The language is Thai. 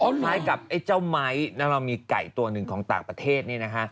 คล้ายกับไอ้เจ้าไม้แล้วเรามีไก่ตัวหนึ่งของต่างประเทศ